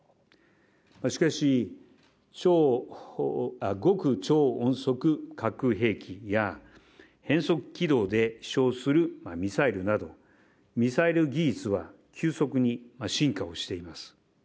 しかし、極超音速滑空兵器や変則軌道で飛翔するミサイルなどミサイル技術は急速に進化をしています。